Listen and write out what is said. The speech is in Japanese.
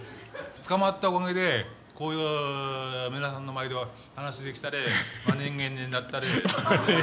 捕まったおかげでこういう皆さんの前で話できたり真人間になったり。